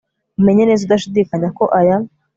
umenye neza udashidikanya, ko aya